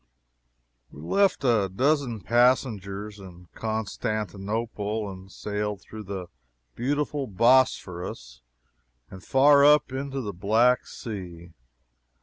We left a dozen passengers in Constantinople, and sailed through the beautiful Bosporus and far up into the Black Sea.